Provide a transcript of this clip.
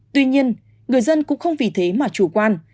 tuy nhiên người dân cũng không vì thế mà chủ quan